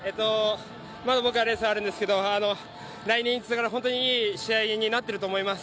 まだ僕はレースあるんですけど来年につながる本当にいい試合になっていると思います。